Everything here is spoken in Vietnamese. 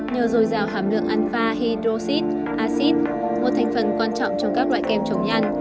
nhờ dồi dào hàm lượng anfa hydroxid acid một thành phần quan trọng trong các loại kem chống nhăn